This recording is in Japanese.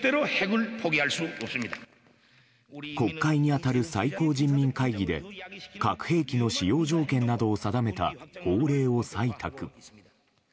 国会に当たる最高人民会議で核兵器の使用条件などを定めた法令を採択。